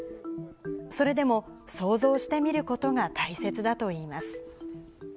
それでも、想像してみることが大切だといいます。